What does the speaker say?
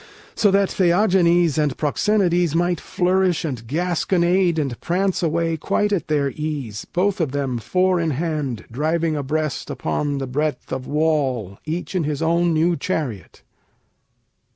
So that Theagenes and Proxenides Might flourish and gasconade and prance away Quite at their ease, both of them four in hand, Driving abreast upon the breadth of wall, Each in his own new chariot.